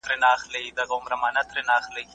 خپل چاپېريال تر کتابونو زيات ولولئ.